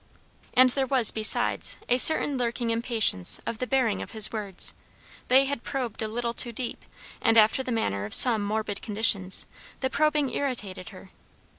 And there was, besides, a certain lurking impatience of the bearing of his words; they had probed a little too deep, and after the manner of some morbid conditions, the probing irritated her.